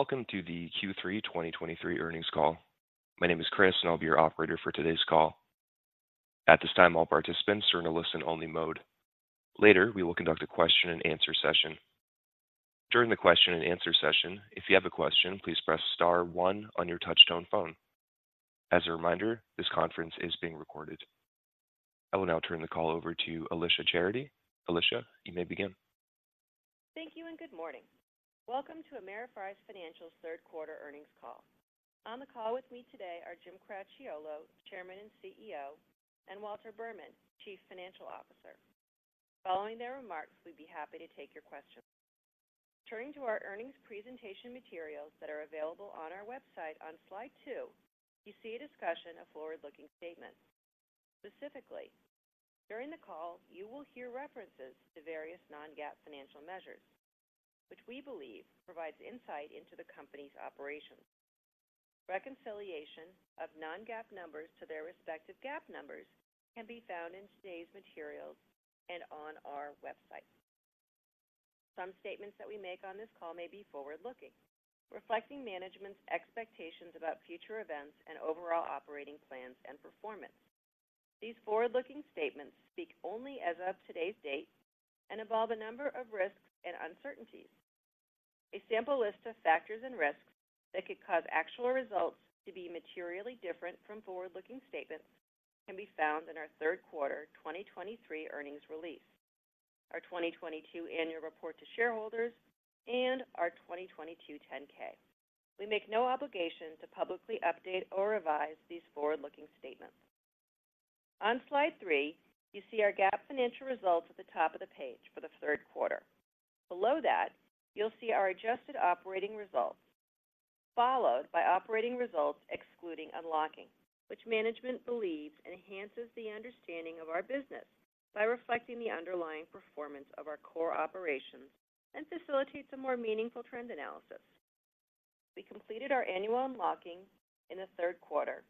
Welcome to the Q3 2023 earnings call. My name is Chris, and I'll be your operator for today's call. At this time, all participants are in a listen-only mode. Later, we will conduct a question-and-answer session. During the question-and-answer session, if you have a question, please press star one on your touchtone phone. As a reminder, this conference is being recorded. I will now turn the call over to Alicia Charity. Alicia, you may begin. Thank you, and good morning. Welcome to Ameriprise Financial's third quarter earnings call. On the call with me today are Jim Cracchiolo, Chairman and CEO, and Walter Berman, Chief Financial Officer. Following their remarks, we'd be happy to take your questions. Turning to our earnings presentation materials that are available on our website, on Slide two, you see a discussion of forward-looking statements. Specifically, during the call, you will hear references to various non-GAAP financial measures, which we believe provides insight into the company's operations. Reconciliation of non-GAAP numbers to their respective GAAP numbers can be found in today's materials and on our website. Some statements that we make on this call may be forward-looking, reflecting management's expectations about future events and overall operating plans and performance. These forward-looking statements speak only as of today's date and involve a number of risks and uncertainties. A sample list of factors and risks that could cause actual results to be materially different from forward-looking statements can be found in our third quarter 2023 earnings release, our 2022 annual report to shareholders, and our 2022 10-K. We make no obligation to publicly update or revise these forward-looking statements. On Slide 3, you see our GAAP financial results at the top of the page for the third quarter. Below that, you'll see our adjusted operating results, followed by operating results excluding unlocking, which management believes enhances the understanding of our business by reflecting the underlying performance of our core operations and facilitates a more meaningful trend analysis. We completed our annual unlocking in the third quarter.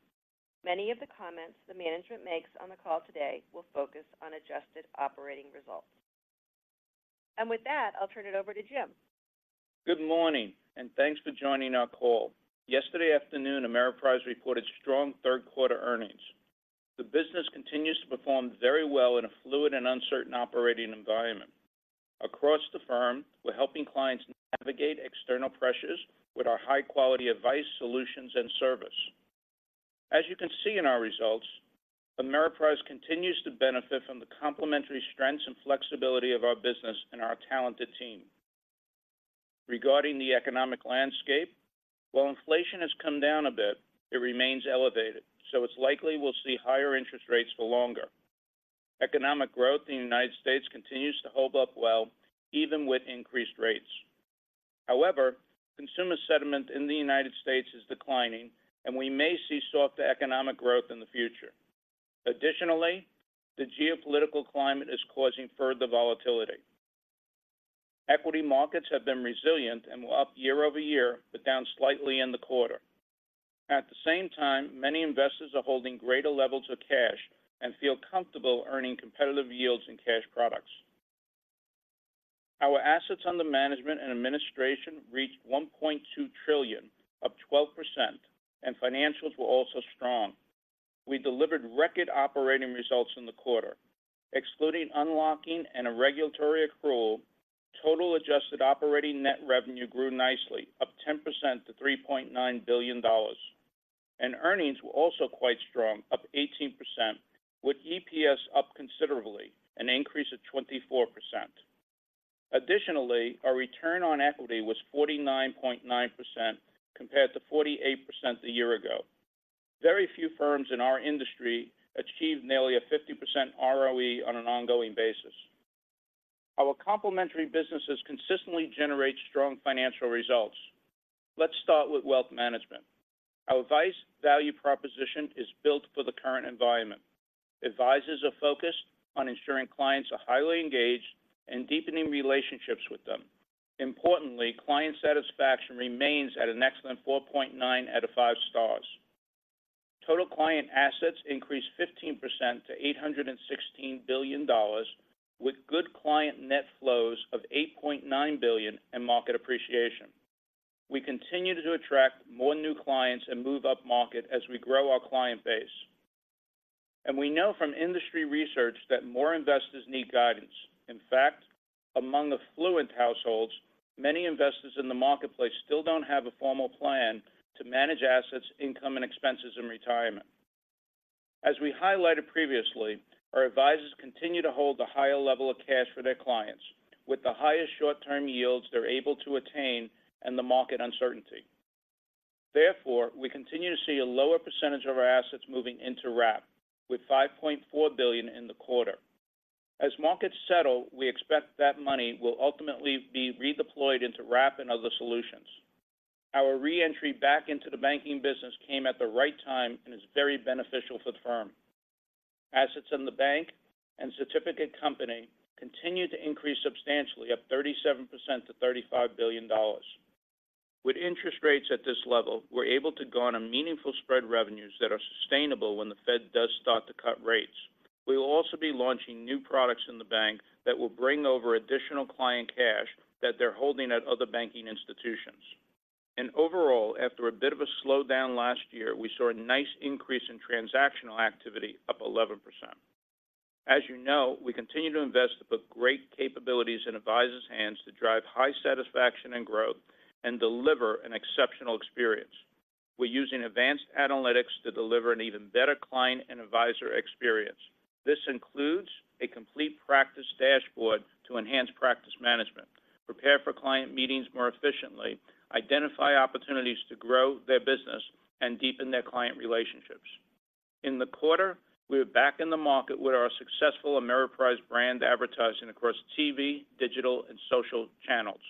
Many of the comments the management makes on the call today will focus on adjusted operating results. With that, I'll turn it over to Jim. Good morning, and thanks for joining our call. Yesterday afternoon, Ameriprise reported strong third-quarter earnings. The business continues to perform very well in a fluid and uncertain operating environment. Across the firm, we're helping clients navigate external pressures with our high-quality advice, solutions, and service. As you can see in our results, Ameriprise continues to benefit from the complementary strengths and flexibility of our business and our talented team. Regarding the economic landscape, while inflation has come down a bit, it remains elevated, so it's likely we'll see higher interest rates for longer. Economic growth in the United States continues to hold up well, even with increased rates. However, consumer sentiment in the United States is declining, and we may see softer economic growth in the future. Additionally, the geopolitical climate is causing further volatility. Equity markets have been resilient and were up year over year, but down slightly in the quarter. At the same time, many investors are holding greater levels of cash and feel comfortable earning competitive yields in cash products. Our assets under management and administration reached 1.2 trillion, up 12%, and financials were also strong. We delivered record operating results in the quarter. Excluding unlocking and a regulatory accrual, total adjusted operating net revenue grew nicely, up 10% to $3.9 billion, and earnings were also quite strong, up 18%, with EPS up considerably, an increase of 24%. Additionally, our return on equity was 49.9%, compared to 48% a year ago. Very few firms in our industry achieve nearly a 50% ROE on an ongoing basis. Our complementary businesses consistently generate strong financial results. Let's start with Wealth Management. Our advice value proposition is built for the current environment. Advisors are focused on ensuring clients are highly engaged and deepening relationships with them. Importantly, client satisfaction remains at an excellent 4.9/5 stars. Total client assets increased 15% to $816 billion, with good client net flows of $8.9 billion and market appreciation. We continue to attract more new clients and move upmarket as we grow our client base. We know from industry research that more investors need guidance. In fact, among affluent households, many investors in the marketplace still don't have a formal plan to manage assets, income, and expenses in retirement. As we highlighted previously, our advisors continue to hold a higher level of cash for their clients, with the highest short-term yields they're able to attain and the market uncertainty. Therefore, we continue to see a lower percentage of our assets moving into wrap, with $5.4 billion in the quarter. As markets settle, we expect that money will ultimately be redeployed into wrap and other solutions. Our re-entry back into the banking business came at the right time and is very beneficial for the firm. Assets in the bank and Certificates Company continued to increase substantially, up 37% to $35 billion. With interest rates at this level, we're able to go on a meaningful spread revenues that are sustainable when the Fed does start to cut rates. We will also be launching new products in the bank that will bring over additional client cash that they're holding at other banking institutions. Overall, after a bit of a slowdown last year, we saw a nice increase in transactional activity, up 11%. As you know, we continue to invest to put great capabilities in advisors' hands to drive high satisfaction and growth and deliver an exceptional experience. We're using advanced analytics to deliver an even better client and advisor experience. This includes a complete practice dashboard to enhance practice management, prepare for client meetings more efficiently, identify opportunities to grow their business, and deepen their client relationships. In the quarter, we are back in the market with our successful Ameriprise brand advertising across TV, digital, and social channels.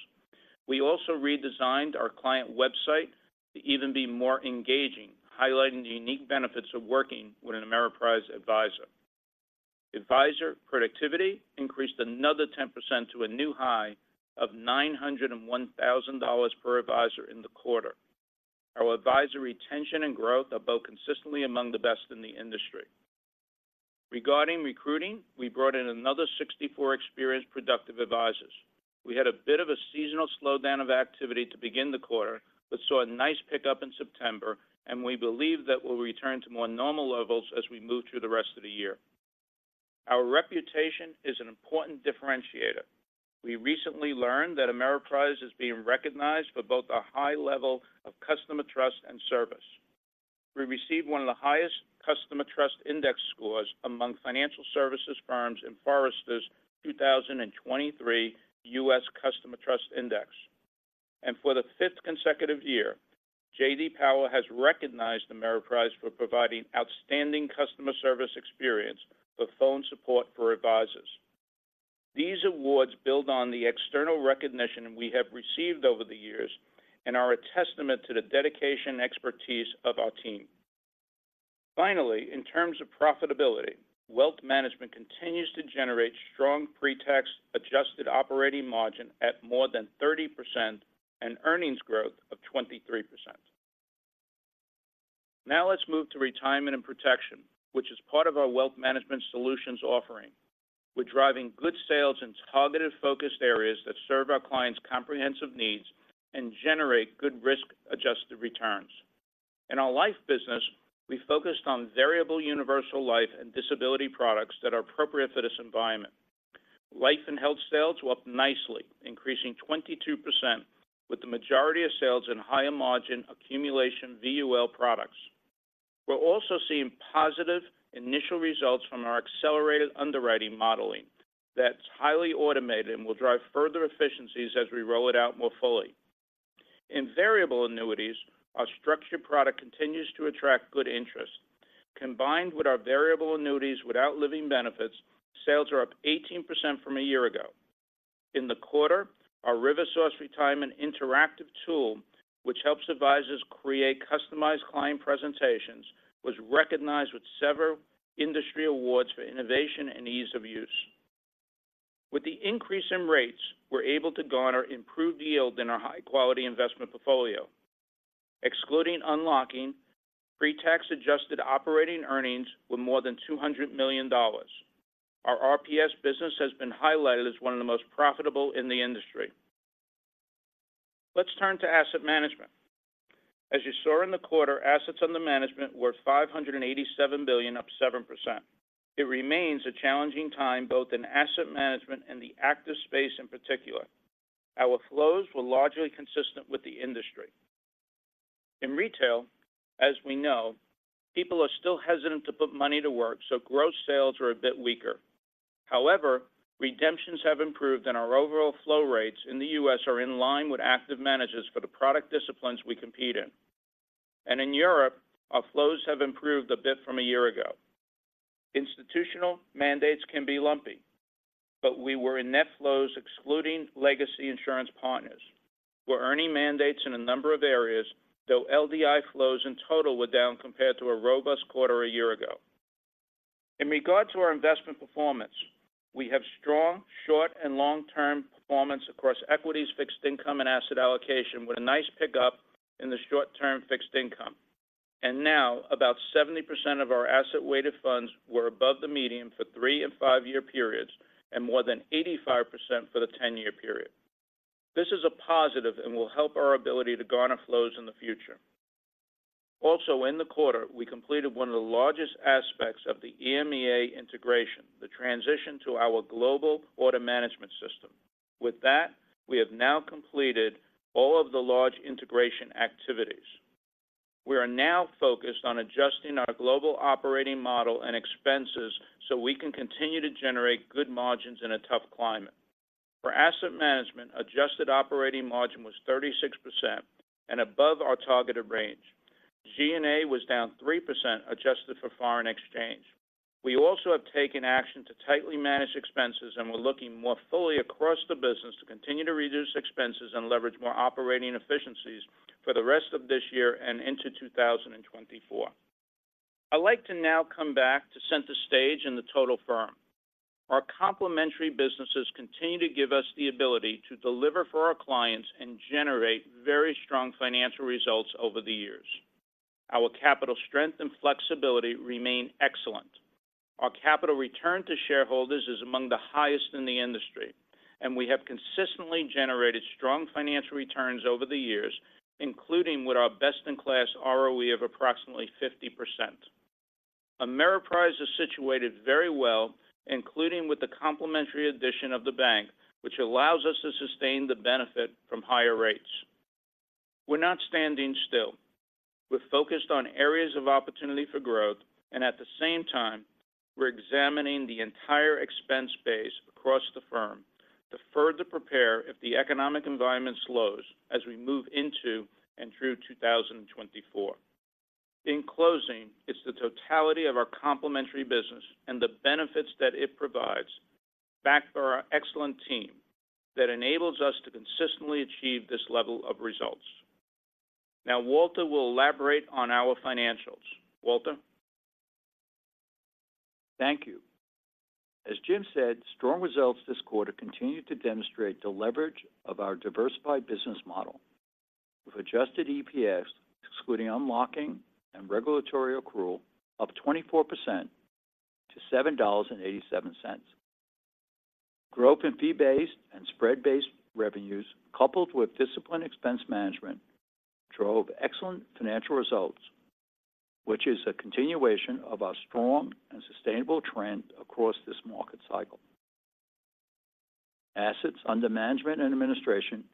We also redesigned our client website to even be more engaging, highlighting the unique benefits of working with an Ameriprise advisor. Advisor productivity increased another 10% to a new high of $901,000 per advisor in the quarter. Our advisor retention and growth are both consistently among the best in the industry. Regarding recruiting, we brought in another 64 experienced, productive advisors. We had a bit of a seasonal slowdown of activity to begin the quarter, but saw a nice pickup in September, and we believe that we'll return to more normal levels as we move through the rest of the year. Our reputation is an important differentiator. We recently learned that Ameriprise is being recognized for both our high level of customer trust and service. We received one of the highest customer trust index scores among financial services firms in Forrester's 2023 U.S. Customer Trust Index. For the fifth consecutive year, J.D. Power has recognized Ameriprise for providing outstanding customer service experience with phone support for advisors. These awards build on the external recognition we have received over the years and are a testament to the dedication and expertise of our team. Finally, in terms of profitability, Wealth Management continues to generate strong pre-tax adjusted operating margin at more than 30% and earnings growth of 23%. Now let's move to retirement and protection, which is part of our Wealth Management Solutions offering. We're driving good sales in targeted, focused areas that serve our clients' comprehensive needs and generate good risk-adjusted returns. In our life business, we focused on variable universal life and disability products that are appropriate for this environment. Life and health sales were up nicely, increasing 22%, with the majority of sales in higher-margin accumulation VUL products. We're also seeing positive initial results from our accelerated underwriting modeling that's highly automated and will drive further efficiencies as we roll it out more fully. In variable annuities, our structured product continues to attract good interest. Combined with our variable annuities without living benefits, sales are up 18% from a year ago. In the quarter, our RiverSource Retirement Interactive tool, which helps advisors create customized client presentations, was recognized with several industry awards for innovation and ease of use. With the increase in rates, we're able to garner improved yield in our high-quality investment portfolio. Excluding unlocking, pre-tax adjusted operating earnings were more than $200 million. Our RPS business has been highlighted as one of the most profitable in the industry. Let's turn to Asset Management. As you saw in the quarter, assets under management were $587 billion, up 7%. It remains a challenging time, both in Asset Management and the active space in particular. Our flows were largely consistent with the industry. In retail, as we know, people are still hesitant to put money to work, so gross sales are a bit weaker. However, redemptions have improved, and our overall flow rates in the U.S. are in line with active managers for the product disciplines we compete in. In Europe, our flows have improved a bit from a year ago. Institutional mandates can be lumpy, but we were in net flows excluding legacy insurance partners. We're earning mandates in a number of areas, though LDI flows in total were down compared to a robust quarter a year ago. In regards to our investment performance, we have strong short- and long-term performance across equities, fixed income, and asset allocation, with a nice pickup in the short-term fixed income. Now, about 70% of our asset-weighted funds were above the median for three- and five-year periods, and more than 85% for the 10-year period. This is a positive and will help our ability to garner flows in the future. Also, in the quarter, we completed one of the largest aspects of the EMEA integration, the transition to our global order management system. With that, we have now completed all of the large integration activities. We are now focused on adjusting our global operating model and expenses so we can continue to generate good margins in a tough climate. For Asset Management, adjusted operating margin was 36% and above our targeted range. G&A was down 3%, adjusted for foreign exchange. We also have taken action to tightly manage expenses, and we're looking more fully across the business to continue to reduce expenses and leverage more operating efficiencies for the rest of this year and into 2024. I'd like to now come back to center stage and the total firm.... Our complementary businesses continue to give us the ability to deliver for our clients and generate very strong financial results over the years. Our capital strength and flexibility remain excellent. Our capital return to shareholders is among the highest in the industry, and we have consistently generated strong financial returns over the years, including with our best-in-class ROE of approximately 50%. Ameriprise is situated very well, including with the complementary addition of the bank, which allows us to sustain the benefit from higher rates. We're not standing still. We're focused on areas of opportunity for growth, and at the same time, we're examining the entire expense base across the firm to further prepare if the economic environment slows as we move into and through 2024. In closing, it's the totality of our complementary business and the benefits that it provides, backed by our excellent team, that enables us to consistently achieve this level of results. Now, Walter will elaborate on our financials. Walter? Thank you. As Jim said, strong results this quarter continued to demonstrate the leverage of our diversified business model, with adjusted EPS, excluding unlocking and regulatory accrual, up 24% to $7.87. Growth in fee-based and spread-based revenues, coupled with disciplined expense management, drove excellent financial results, which is a continuation of our strong and sustainable trend across this market cycle. Assets under management and administration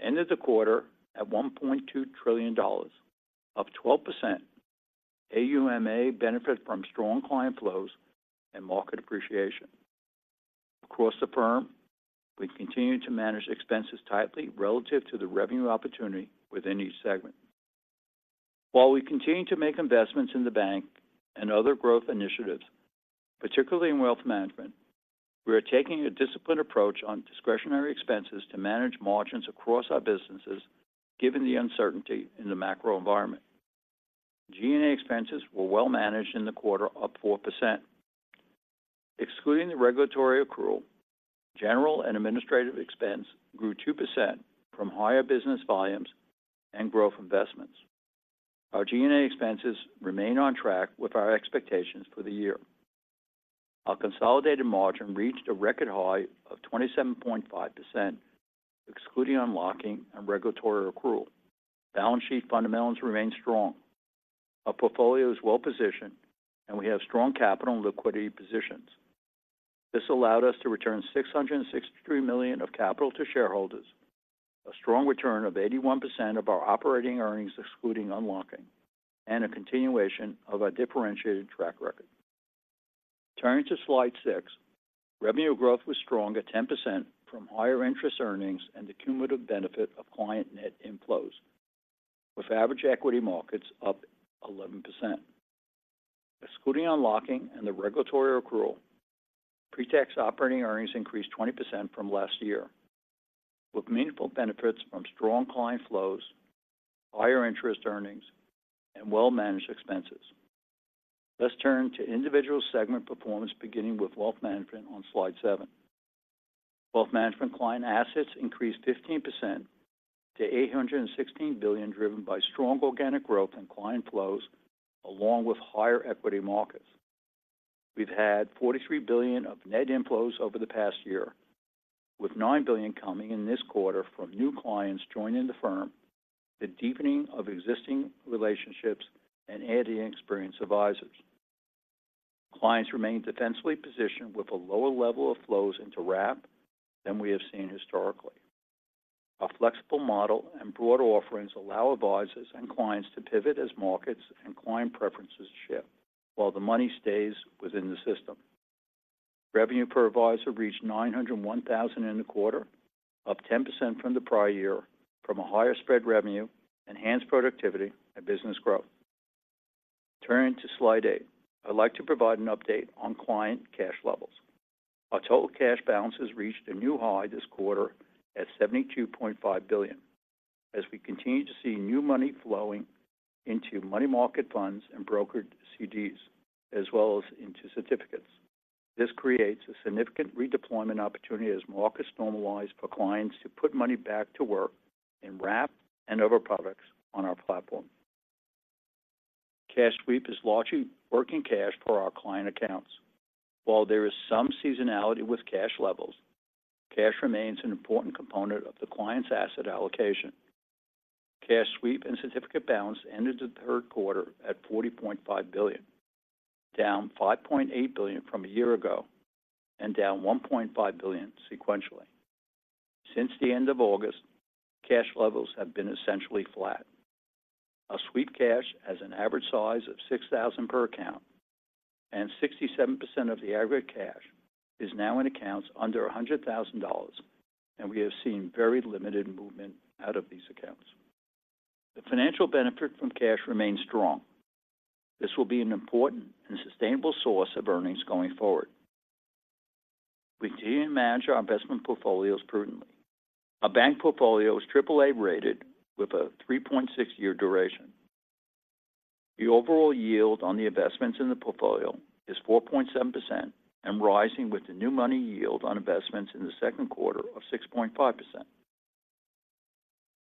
ended the quarter at $1.2 trillion. Up 12%, AUMA benefited from strong client flows and market appreciation. Across the firm, we continue to manage expenses tightly relative to the revenue opportunity within each segment. While we continue to make investments in the bank and other growth initiatives, particularly in Wealth Management, we are taking a disciplined approach on discretionary expenses to manage margins across our businesses, given the uncertainty in the macro environment. G&A expenses were well managed in the quarter, up 4%. Excluding the regulatory accrual, general and administrative expense grew 2% from higher business volumes and growth investments. Our G&A expenses remain on track with our expectations for the year. Our consolidated margin reached a record high of 27.5%, excluding unlocking and regulatory accrual. Balance sheet fundamentals remain strong. Our portfolio is well-positioned, and we have strong capital and liquidity positions. This allowed us to return $663 million of capital to shareholders, a strong return of 81% of our operating earnings, excluding unlocking, and a continuation of our differentiated track record. Turning to Slide 6, revenue growth was strong at 10% from higher interest earnings and the cumulative benefit of client net inflows, with average equity markets up 11%. Excluding unlocking and the regulatory accrual, pre-tax operating earnings increased 20% from last year, with meaningful benefits from strong client flows, higher interest earnings, and well-managed expenses. Let's turn to individual segment performance, beginning with Wealth Management on slide seven. Wealth management client assets increased 15% to $816 billion, driven by strong organic growth and client flows, along with higher equity markets. We've had $43 billion of net inflows over the past year, with $9 billion coming in this quarter from new clients joining the firm, the deepening of existing relationships, and adding experienced advisors. Clients remain defensively positioned with a lower level of flows into wrap than we have seen historically. Our flexible model and broad offerings allow advisors and clients to pivot as markets and client preferences shift while the money stays within the system. Revenue per advisor reached $901,000 in the quarter, up 10% from the prior year from a higher spread revenue, enhanced productivity, and business growth. Turning to slide eight. I'd like to provide an update on client cash levels. Our total cash balances reached a new high this quarter at $72.5 billion. As we continue to see new money flowing into money market funds and brokered CDs, as well as into Certificates. This creates a significant redeployment opportunity as markets normalize for clients to put money back to work in wrap and other products on our platform. Cash Sweep is largely working cash for our client accounts. While there is some seasonality with cash levels, cash remains an important component of the client's asset allocation. Cash Sweep and Certificates balance ended the third quarter at $40.5 billion, down $5.8 billion from a year ago and down $1.5 billion sequentially. Since the end of August, cash levels have been essentially flat. Our Sweep cash has an average size of $6,000 per account, and 67% of the aggregate cash is now in accounts under $100,000, and we have seen very limited movement out of these accounts. The financial benefit from cash remains strong. This will be an important and sustainable source of earnings going forward. We continue to manage our investment portfolios prudently. Our bank portfolio is AAA rated with a 3.6-year duration. The overall yield on the investments in the portfolio is 4.7% and rising with the new money yield on investments in the second quarter of 6.5%.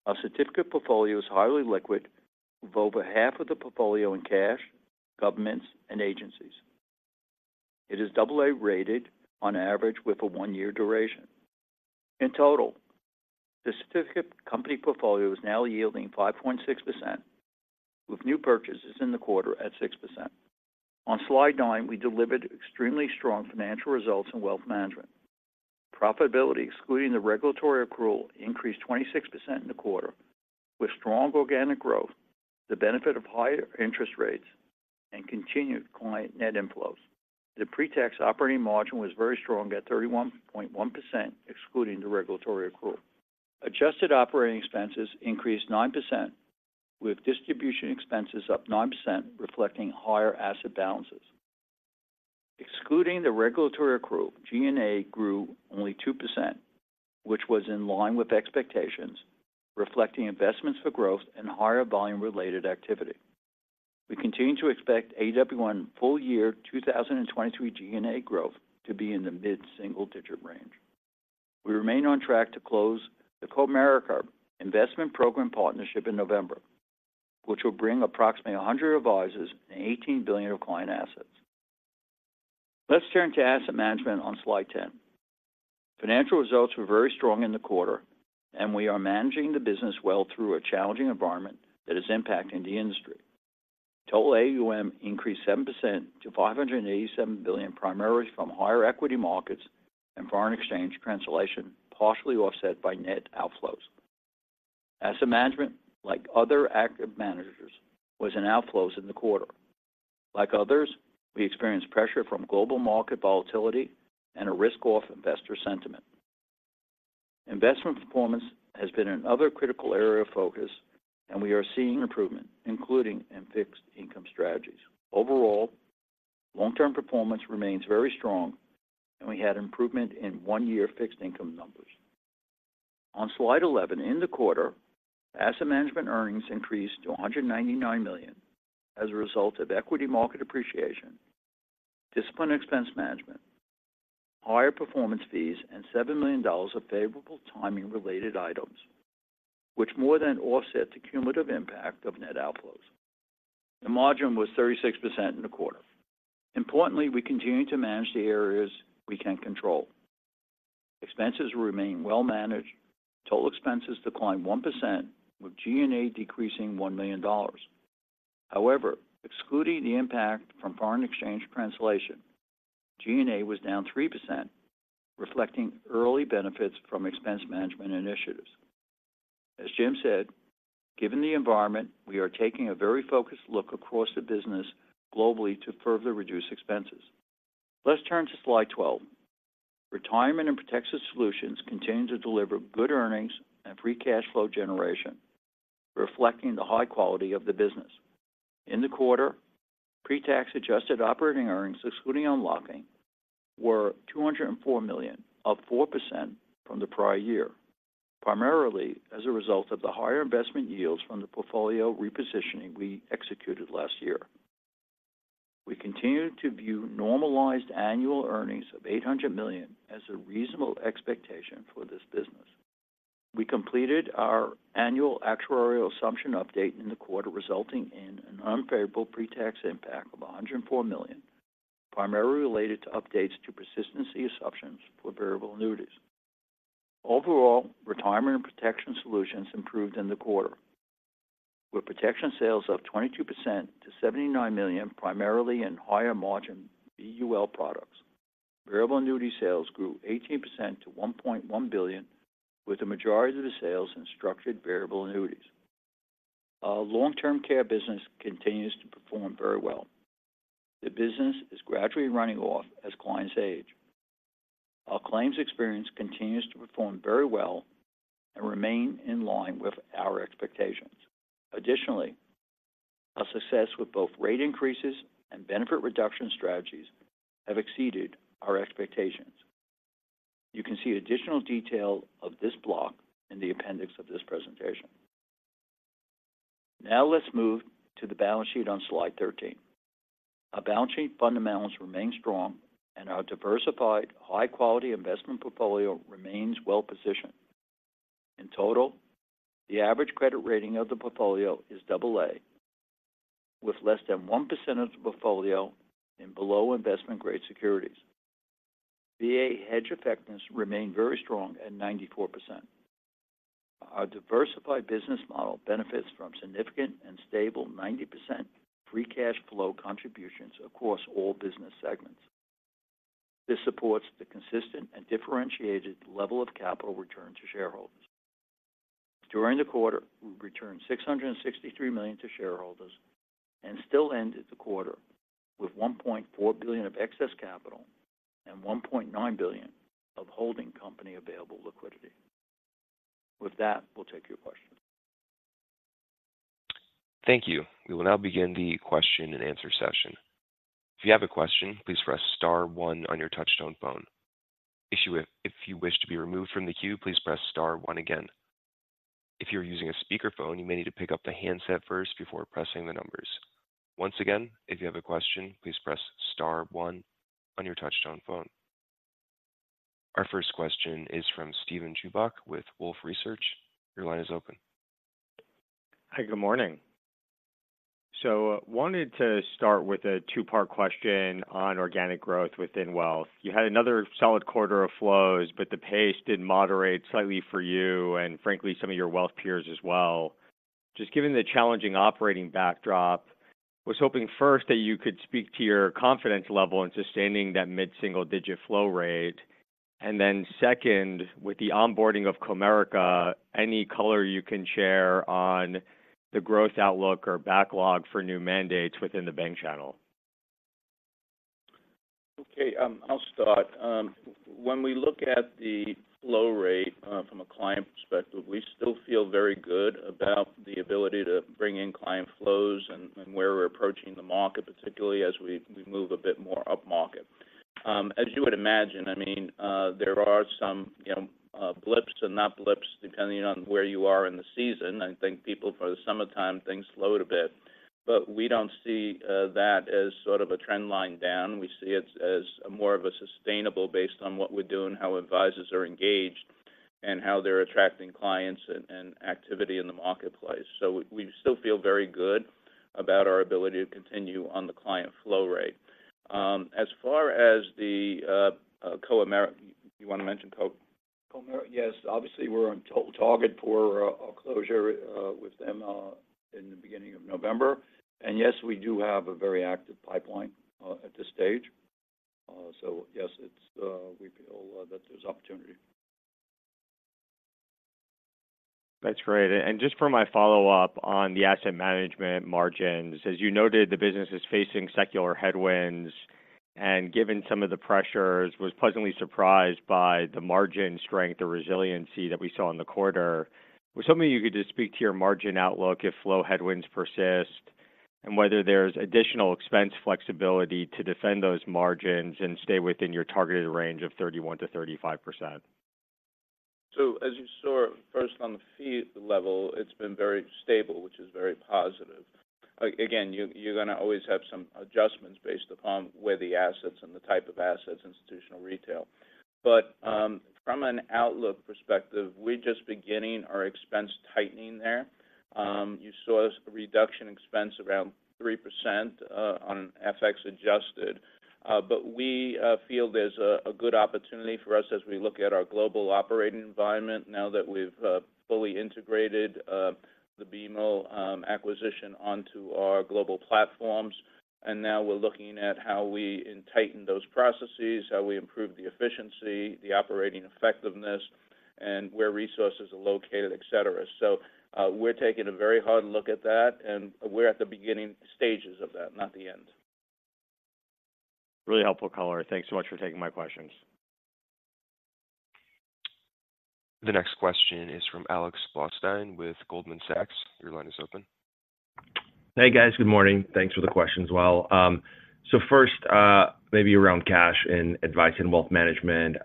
Our Certificates portfolio is highly liquid, with over half of the portfolio in cash, governments, and agencies. It is double A-rated on average, with a one-year duration. In total, the Certificate Company portfolio is now yielding 5.6%, with new purchases in the quarter at 6%. On slide nine, we delivered extremely strong financial results in Wealth Management. Profitability, excluding the regulatory accrual, increased 26% in the quarter. With strong organic growth, the benefit of higher interest rates and continued client net inflows, the pre-tax operating margin was very strong at 31.1%, excluding the regulatory accrual. Adjusted operating expenses increased 9%, with distribution expenses up 9%, reflecting higher asset balances. Excluding the regulatory accrual, G&A grew only 2%, which was in line with expectations, reflecting investments for growth and higher volume-related activity. We continue to expect AWM full year 2023 G&A growth to be in the mid-single-digit range. We remain on track to close the Comerica Investment Program partnership in November, which will bring approximately 100 advisors and $18 billion of client assets. Let's turn to Asset Management on slide 10. Financial results were very strong in the quarter, and we are managing the business well through a challenging environment that is impacting the industry. Total AUM increased 7% to $587 billion, primarily from higher equity markets and foreign exchange translation, partially offset by net outflows. Asset Management, like other active managers, was in outflows in the quarter. Like others, we experienced pressure from global market volatility and a risk-off investor sentiment. Investment performance has been another critical area of focus, and we are seeing improvement, including in fixed income strategies. Overall, long-term performance remains very strong, and we had improvement in one-year fixed income numbers. On slide 11, in the quarter, Asset Management earnings increased to $199 million as a result of equity market appreciation, disciplined expense management, higher performance fees, and $7 million of favorable timing-related items, which more than offset the cumulative impact of net outflows. The margin was 36% in the quarter. Importantly, we continue to manage the areas we can control. Expenses remain well managed. Total expenses declined 1%, with G&A decreasing $1 million. However, excluding the impact from foreign exchange translation, G&A was down 3%, reflecting early benefits from expense management initiatives. As Jim said, given the environment, we are taking a very focused look across the business globally to further reduce expenses. Let's turn to slide 12. Retirement and Protection Solutions continue to deliver good earnings and free cash flow generation, reflecting the high quality of the business. In the quarter, pre-tax adjusted operating earnings, excluding Unlocking, were $204 million, up 4% from the prior year, primarily as a result of the higher investment yields from the portfolio repositioning we executed last year. We continue to view normalized annual earnings of $800 million as a reasonable expectation for this business. We completed our annual actuarial assumption update in the quarter, resulting in an unfavorable pre-tax impact of $104 million, primarily related to updates to persistency assumptions for variable annuities. Overall, Retirement and Protection Solutions improved in the quarter, with protection sales up 22% to $79 million, primarily in higher-margin VUL products. Variable annuity sales grew 18% to $1.1 billion, with the majority of the sales in structured variable annuities. Our long-term care business continues to perform very well. The business is gradually running off as clients age. Our claims experience continues to perform very well and remain in line with our expectations. Additionally, our success with both rate increases and benefit reduction strategies have exceeded our expectations. You can see additional detail of this block in the appendix of this presentation. Now let's move to the balance sheet on slide 13. Our balance sheet fundamentals remain strong, and our diversified, high-quality investment portfolio remains well positioned. In total, the average credit rating of the portfolio is double-A, with less than 1% of the portfolio in below investment-grade securities. VA hedge effectiveness remained very strong at 94%. Our diversified business model benefits from significant and stable 90% free cash flow contributions across all business segments. This supports the consistent and differentiated level of capital return to shareholders. During the quarter, we returned $663 million to shareholders and still ended the quarter with $1.4 billion of excess capital and $1.9 billion of holding company available liquidity. With that, we'll take your questions. Thank you. We will now begin the question and answer session. If you have a question, please press star one on your touchtone phone. If you wish to be removed from the queue, please press star one again. If you're using a speakerphone, you may need to pick up the handset first before pressing the numbers. Once again, if you have a question, please press star one on your touchtone phone. Our first question is from Steven Chubak with Wolfe Research. Your line is open. Hi, good morning. So wanted to start with a two-part question on organic growth within Wealth. You had another solid quarter of flows, but the pace did moderate slightly for you and frankly, some of your wealth peers as well. Just given the challenging operating backdrop, was hoping first, that you could speak to your confidence level in sustaining that mid-single-digit flow rate. And then second, with the onboarding of Comerica, any color you can share on the growth outlook or backlog for new mandates within the bank channel? Okay, I'll start. When we look at the flow rate from a client perspective, we still feel very good about the ability to bring in client flows and where we're approaching the market, particularly as we move a bit more upmarket. As you would imagine, I mean, there are some, you know, blips and not blips, depending on where you are in the season. I think people for the summertime, things slowed a bit, but we don't see that as sort of a trend line down. We see it as more of a sustainable based on what we're doing, how advisors are engaged, and how they're attracting clients and activity in the marketplace. So we still feel very good about our ability to continue on the client flow rate. As far as the Comerica, you want to mention Comerica? Yes. Obviously, we're on target for a closure with them in the beginning of November. And yes, we do have a very active pipeline at this stage. So yes, we feel that there's opportunity. That's great. Just for my follow-up on the Asset Management margins, as you noted, the business is facing secular headwinds, and given some of the pressures, was pleasantly surprised by the margin strength or resiliency that we saw in the quarter. Was hoping you could just speak to your margin outlook if flow headwinds persist, and whether there's additional expense flexibility to defend those margins and stay within your targeted range of 31%-35%. So as you saw, first on the fee level, it's been very stable, which is very positive. Again, you're, you're going to always have some adjustments based upon where the assets and the type of assets, institutional, retail. But from an outlook perspective, we're just beginning our expense tightening there. You saw a reduction in expense around 3%, on FX adjusted. But we feel there's a good opportunity for us as we look at our global operating environment now that we've fully integrated the BMO acquisition onto our global platforms. And now we're looking at how we tighten those processes, how we improve the efficiency, the operating effectiveness, and where resources are located, et cetera. So we're taking a very hard look at that, and we're at the beginning stages of that, not the end. Really helpful color. Thanks so much for taking my questions. The next question is from Alex Blostein with Goldman Sachs. Your line is open. Hey, guys. Good morning. Thanks for the questions as well. So first, maybe around cash and Advice & Wealth Management,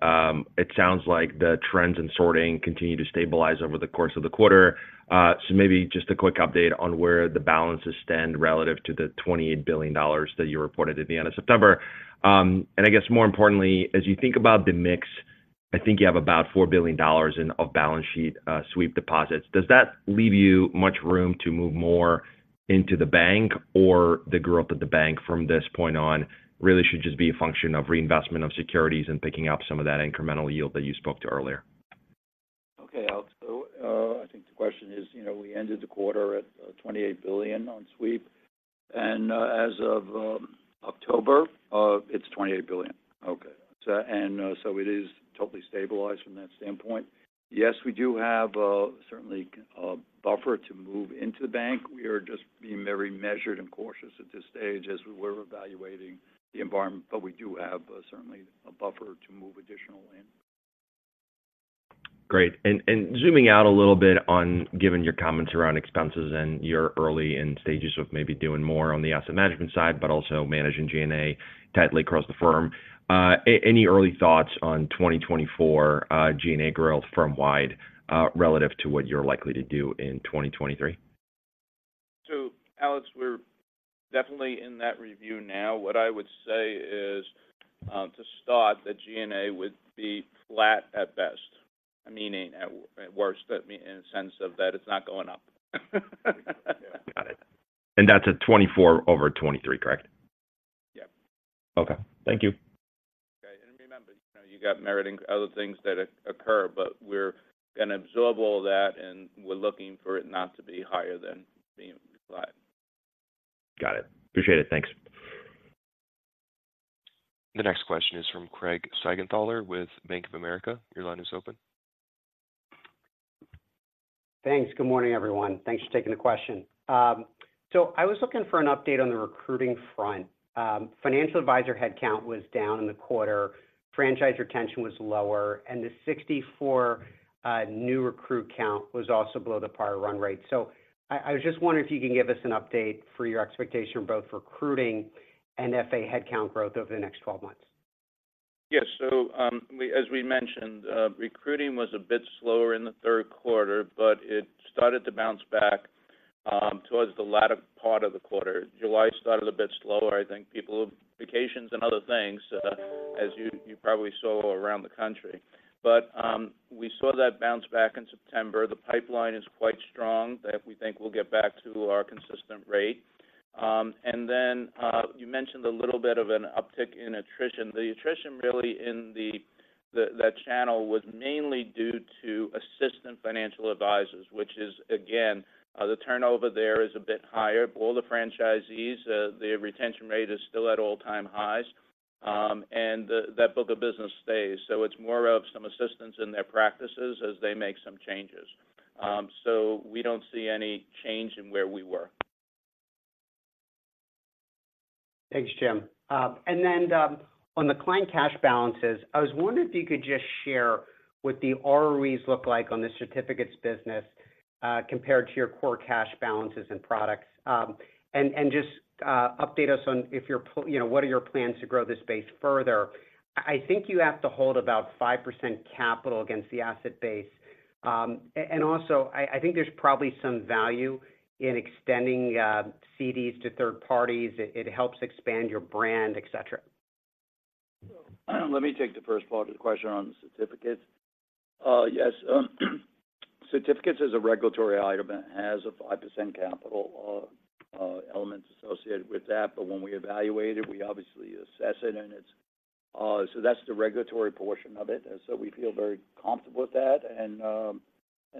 it sounds like the trends in sorting continue to stabilize over the course of the quarter. So maybe just a quick update on where the balances stand relative to the $28 billion that you reported at the end of September. And I guess more importantly, as you think about the mix, I think you have about $4 billion in of balance sheet sweep deposits. Does that leave you much room to move more into the bank, or the growth of the bank from this point on, really should just be a function of reinvestment of securities and picking up some of that incremental yield that you spoke to earlier? Okay, Alex. So, I think the question is, you know, we ended the quarter at $28 billion on sweep, and as of October, it's $28 billion. Okay. It is totally stabilized from that standpoint. Yes, we do have certainly a buffer to move into the bank. We are just being very measured and cautious at this stage as we're evaluating the environment, but we do have certainly a buffer to move additional in. Great. Zooming out a little bit on, given your comments around expenses and you're early in stages of maybe doing more on the Asset Management side, but also managing G&A tightly across the firm, any early thoughts on 2024, G&A growth firm-wide, relative to what you're likely to do in 2023? So Alex, we're definitely in that review now. What I would say is, to start, the G&A would be flat at best, I mean, up net at worst, but in that sense, it's not going up. Got it. That's at 2024 over 2023, correct? Yeah. Okay. Thank you. Okay. And remember, you know, you got merit and other things that occur, but we're going to absorb all that, and we're looking for it not to be higher than being flat. Got it. Appreciate it. Thanks. The next question is from Craig Siegenthaler with Bank of America. Your line is open. Thanks. Good morning, everyone. Thanks for taking the question. So I was looking for an update on the recruiting front. Financial advisor headcount was down in the quarter, franchise retention was lower, and the 64 new recruit count was also below the prior run rate. So I was just wondering if you can give us an update for your expectation, both recruiting and FA headcount growth over the next 12 months. Yes. So, we, as we mentioned, recruiting was a bit slower in the third quarter, but it started to bounce back towards the latter part of the quarter. July started a bit slower. I think people have vacations and other things, as you probably saw around the country. But, we saw that bounce back in September. The pipeline is quite strong, that we think we'll get back to our consistent rate. And then, you mentioned a little bit of an uptick in attrition. The attrition really in the that channel was mainly due to assistant financial advisors, which is, again, the turnover there is a bit higher. All the franchisees, their retention rate is still at all-time highs, and the that book of business stays. So it's more of some assistants in their practices as they make some changes. So we don't see any change in where we were. Thanks, Jim. And then, on the client cash balances, I was wondering if you could just share what the ROEs look like on the Certificates business, compared to your core cash balances and products. And just update us on, you know, what are your plans to grow this base further? I think you have to hold about 5% capital against the asset base. And also, I think there's probably some value in extending CDs to third parties. It helps expand your brand, et cetera. Let me take the first part of the question on the Certificates. Yes, Certificates is a regulatory item. It has a 5% capital element associated with that, but when we evaluate it, we obviously assess it, and it's. So that's the regulatory portion of it. And so we feel very comfortable with that. And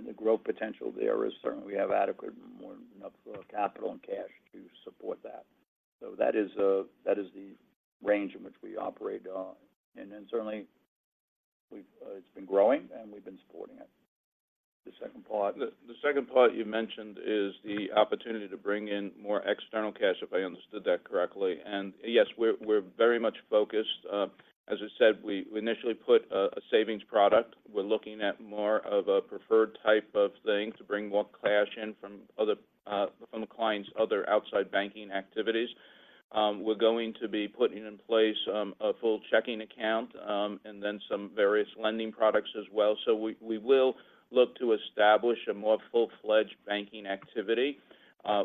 the growth potential there is certainly we have adequate enough capital and cash to support that. So that is the range in which we operate on. And then certainly, it's been growing, and we've been supporting it. The second part? The second part you mentioned is the opportunity to bring in more external cash, if I understood that correctly. And yes, we're very much focused. As I said, we initially put a savings product. We're looking at more of a preferred type of thing to bring more cash in from the clients' other outside banking activities. We're going to be putting in place a full checking account, and then some various lending products as well. So we will look to establish a more full-fledged banking activity,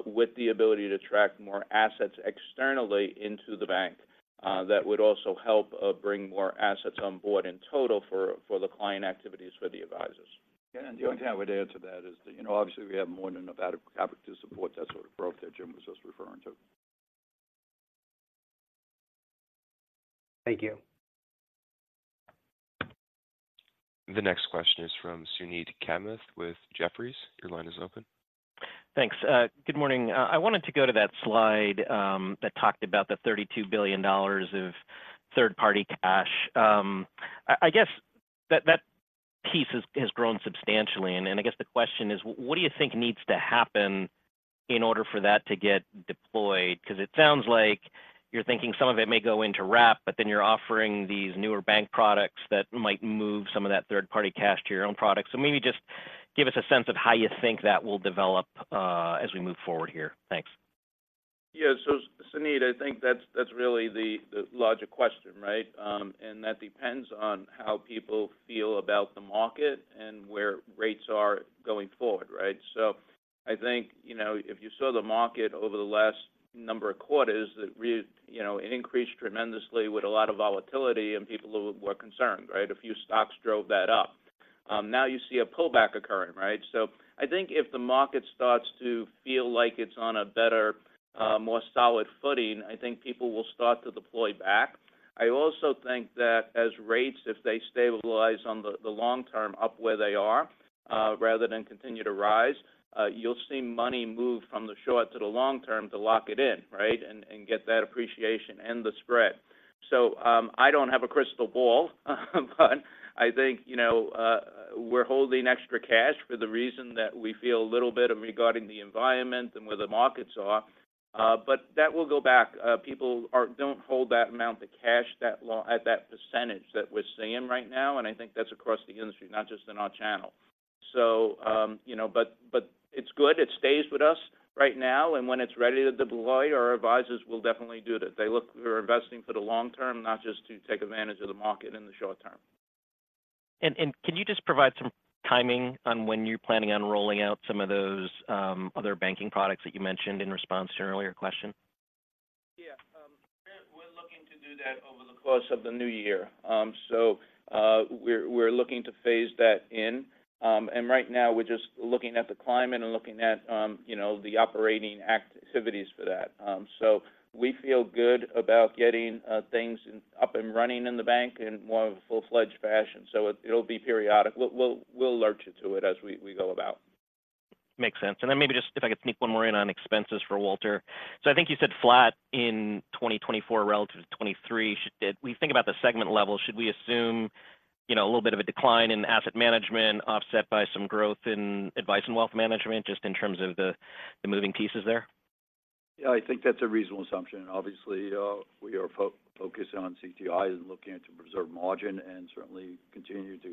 with the ability to attract more assets externally into the bank. That would also help bring more assets on board in total for the client activities for the advisors. The only thing I would add to that is that, you know, obviously, we have more than enough capital to support that sort of growth that Jim was just referring to. Thank you. The next question is from Suneet Kamath with Jefferies. Your line is open. Thanks. Good morning. I wanted to go to that slide that talked about the $32 billion of third-party cash. I guess that piece has grown substantially and I guess the question is, what do you think needs to happen in order for that to get deployed? Because it sounds like some of it may go to wrap, but then you're offering these newer bank products that might move some of that third-party cash to your own products. So maybe just give us a sense of how you think that will develop, as we move forward here. Thanks. Yeah. So Suneet, I think that's really the larger question, right? And that depends on how people feel about the market and where rates are going forward, right? So I think, you know, if you saw the market over the last number of quarters, that you know, it increased tremendously with a lot of volatility and people were concerned, right? A few stocks drove that up. Now you see a pullback occurring, right? So I think if the market starts to feel like it's on a better, more solid footing, I think people will start to deploy back. I also think that as rates, if they stabilize on the long term up where they are, rather than continue to rise, you'll see money move from the short to the long term to lock it in, right? Get that appreciation and the spread. So, I don't have a crystal ball, but I think, you know, we're holding extra cash for the reason that we feel a little bit regarding the environment and where the markets are. But that will go back. People don't hold that amount of cash that low at that percentage that we're seeing right now, and I think that's across the industry, not just in our channel. So, you know, but it's good. It stays with us right now, and when it's ready to deploy, our advisors will definitely do that. They're investing for the long term, not just to take advantage of the market in the short term. Can you just provide some timing on when you're planning on rolling out some of those, other banking products that you mentioned in response to an earlier question? Yeah. We're looking to do that over the course of the new year. So, we're looking to phase that in. And right now we're just looking at the climate and looking at, you know, the operating activities for that. So we feel good about getting things up and running in the bank in more of a full-fledged fashion. So it'll be periodic. We'll lurch into it as we go about. Makes sense. And then maybe just if I could sneak one more in on expenses for Walter. So I think you said flat in 2024 relative to 2023. We think about the segment level, should we assume, you know, a little bit of a decline in Asset Management, offset by some growth in Advice & Wealth Management, just in terms of the, the moving pieces there? Yeah, I think that's a reasonable assumption. Obviously, we are focusing on CTI and looking to preserve margin, and certainly continue to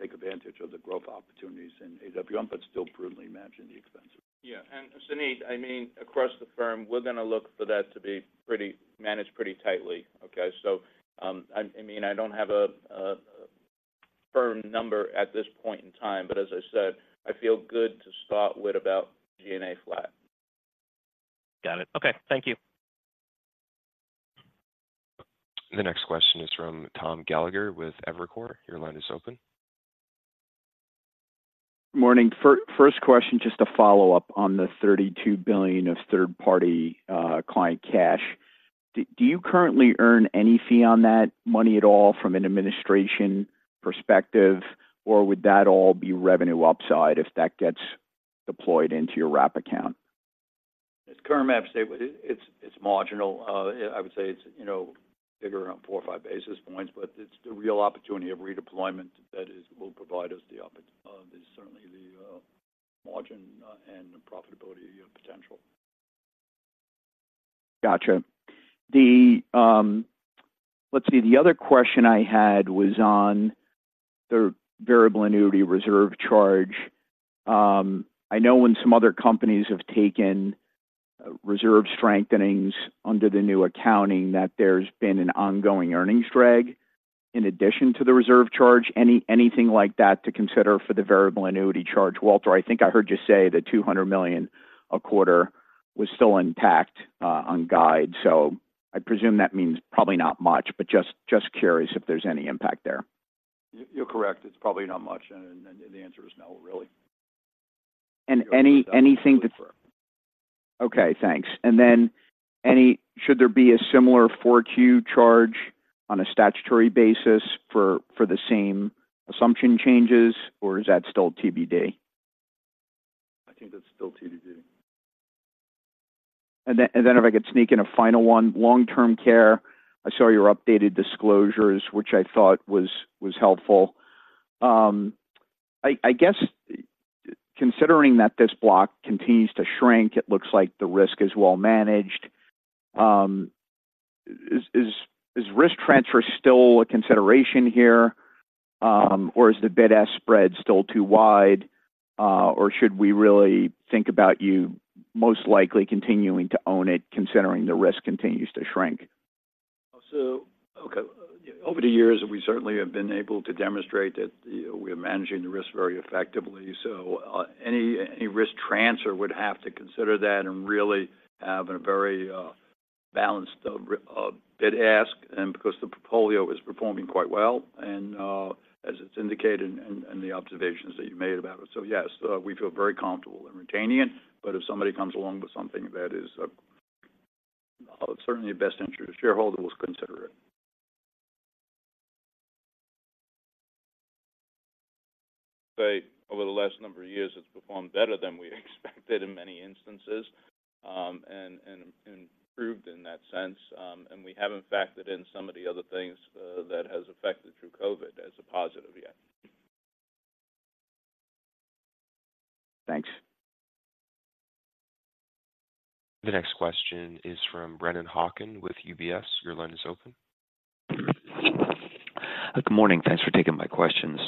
take advantage of the growth opportunities in AWM, but still prudently managing the expenses. Yeah, and Suneet, I mean, across the firm, we're gonna look for that to be pretty managed pretty tightly, okay? So, I mean, I don't have a firm number at this point in time, but as I said, I feel good to start with about G&A flat. Got it. Okay, thank you. The next question is from Tom Gallagher with Evercore. Your line is open. Morning. First question, just to follow up on the $32 billion of third-party client cash. Do you currently earn any fee on that money at all from an administration perspective, or would that all be revenue upside if that gets deployed into your wrap account? As current math states, it's marginal. I would say it's, you know, figure around 4 or 5 basis points, but it's the real opportunity of redeployment that is, will provide us the opportunity. There's certainly the margin and the profitability of potential. Gotcha. The... Let's see, the other question I had was on the variable annuity reserve charge. I know when some other companies have taken reserve strengthenings under the new accounting, that there's been an ongoing earnings drag in addition to the reserve charge. Anything like that to consider for the variable annuity charge? Walter, I think I heard you say that $200 million a quarter was still intact on guide, so I'd presume that means probably not much, but just curious if there's any impact there. You're correct. It's probably not much, and the answer is no, really. anything that- Sure. Okay, thanks. And then, should there be a similar 4Q charge on a statutory basis for the same assumption changes, or is that still TBD? I think that's still TBD. And then if I could sneak in a final one. Long-term care, I saw your updated disclosures, which I thought was helpful. I guess, considering that this block continues to shrink, it looks like the risk is well managed. Is risk transfer still a consideration here, or is the bid-ask spread still too wide? Or should we really think about you most likely continuing to own it, considering the risk continues to shrink? Okay, over the years, we certainly have been able to demonstrate that, you know, we are managing the risk very effectively. Any risk transfer would have to consider that and really have a very balanced bid-ask, and because the portfolio is performing quite well, and as it's indicated in the observations that you made about it. Yes, we feel very comfortable in retaining it, but if somebody comes along with something that is certainly in the best interest of shareholders, we'll consider it. But over the last number of years, it's performed better than we expected in many instances, and improved in that sense. And we haven't factored in some of the other things, that has affected through COVID as a positive yet. Thanks. The next question is from Brennan Hawken with UBS. Your line is open. Good morning. Thanks for taking my questions.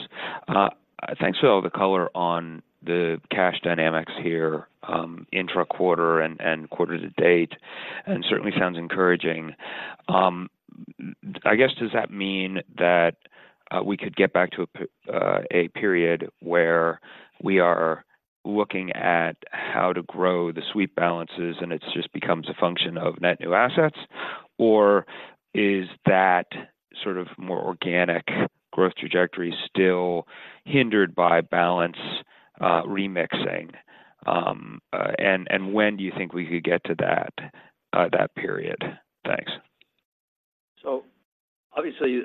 Thanks for all the color on the cash dynamics here, intra quarter and quarter to date, and certainly sounds encouraging. I guess, does that mean that we could get back to a period where we are looking at how to grow the sweep balances, and it just becomes a function of net new assets? Or is that sort of more organic growth trajectory still hindered by balance remixing? And when do you think we could get to that period? Thanks. Obviously,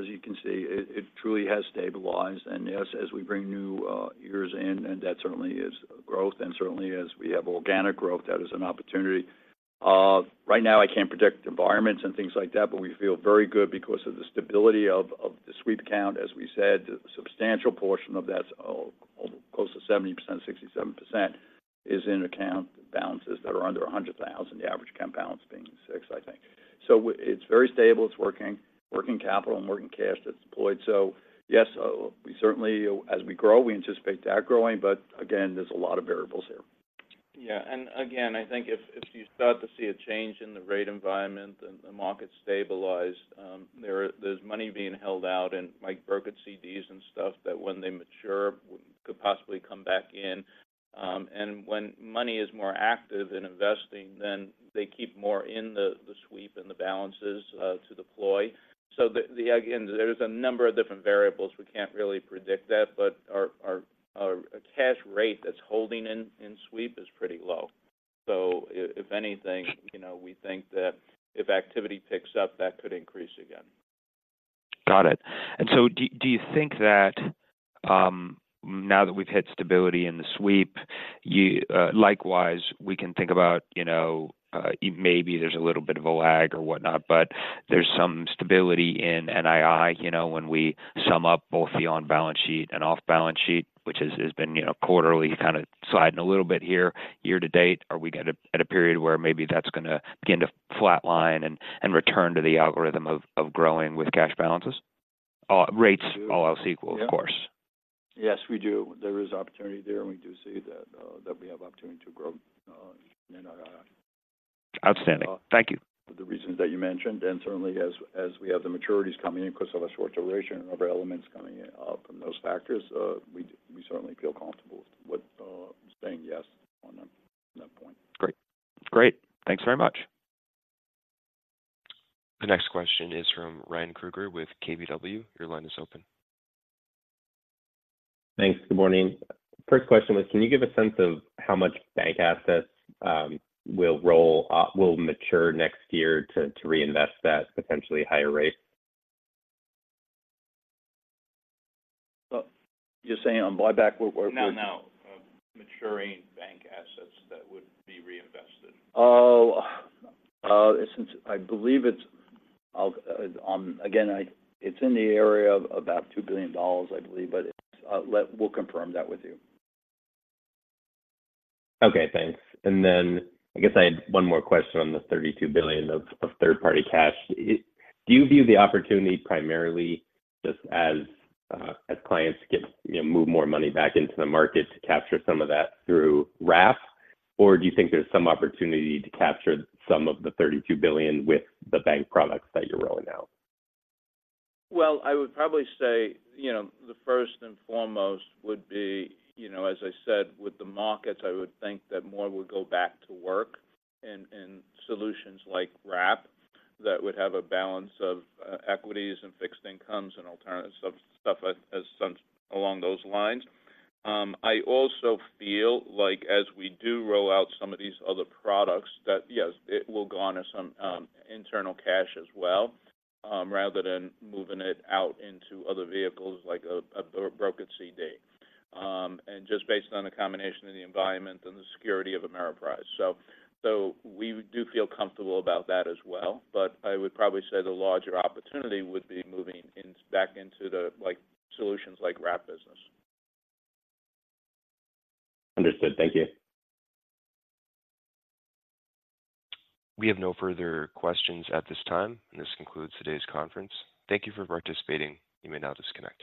as you can see, it truly has stabilized, and yes, as we bring new years in, and that certainly is growth, and certainly as we have organic growth, that is an opportunity. Right now, I can't predict environments and things like that, but we feel very good because of the stability of the sweep account. As we said, the substantial portion of that, close to 70%, 67%, is in account balances that are under $100,000, the average account balance being six, I think. So it's very stable. It's working, working capital and working cash that's deployed. Yes, we certainly, as we grow, we anticipate that growing, but again, there's a lot of variables here. Yeah, and again, I think if you start to see a change in the rate environment and the market stabilize, there, there's money being held out in, like, brokered CDs and stuff, that when they mature, could possibly come back in. And when money is more active in investing, then they keep more in the sweep and the balances to deploy. So again, there's a number of different variables. We can't really predict that, but our cash rate that's holding in sweep is pretty low. So if anything, you know, we think that if activity picks up, that could increase again. Got it. And so do you think that now that we've hit stability in the sweep, you likewise, we can think about, you know, maybe there's a little bit of a lag or whatnot, but there's some stability in NII, you know, when we sum up both the on-balance sheet and off-balance sheet, which has been, you know, quarterly, kind of sliding a little bit here, year to date. Are we at a period where maybe that's gonna begin to flatline and return to the algorithm of growing with cash balances? Rates all else equal, of course. Yes, we do. There is opportunity there, and we do see that that we have opportunity to grow in NII. Outstanding. Thank you. The reasons that you mentioned, and certainly as we have the maturities coming in because of a short duration and other elements coming in, from those factors, we certainly feel comfortable with saying yes on that, on that point. Great. Great. Thanks very much. The next question is from Ryan Krueger with KBW. Your line is open. Thanks. Good morning. First question was, can you give a sense of how much bank assets will mature next year to reinvest that potentially higher rate? Well, you're saying on buyback or, or- No, no, maturing bank assets that would be reinvested. Oh, since I believe it's, I'll-- again, it's in the area of about $2 billion, I believe, but it's, we'll confirm that with you. Okay, thanks. And then I guess I had one more question on the $32 billion of third-party cash. Do you view the opportunity primarily just as clients get, you know, move more money back into the market to capture some of that through wrap? Or do you think there's some opportunity to capture some of the $32 billion with the bank products that you're rolling out? Well, I would probably say, you know, the first and foremost would be, you know, as I said, with the markets, I would think that more would go back to work in solutions like wrap, that would have a balance of equities and fixed incomes and alternatives, stuff as along those lines. I also feel like as we do roll out some of these other products, that yes, it will go onto some internal cash as well, rather than moving it out into other vehicles like a brokered CD. And just based on the combination of the environment and the security of Ameriprise. So we do feel comfortable about that as well, but I would probably say the larger opportunity would be moving back into the, like, solutions like wrap business. Understood. Thank you. We have no further questions at this time, and this concludes today's conference. Thank you for participating. You may now disconnect.